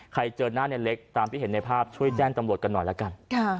เจอหน้าในเล็กตามที่เห็นในภาพช่วยแจ้งตำรวจกันหน่อยละกัน